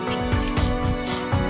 taruh di depan